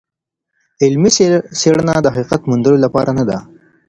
علمي څېړنه د حقیقت موندلو لپاره نده.